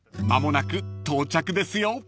［間もなく到着ですよ］